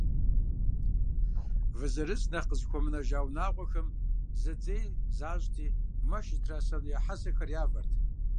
Вы зырыз нэхъ къызыхуэмынэжа унагъуэхэм зэдзей защӏти, мэш зытрасэну я хьэсэхэр явэт.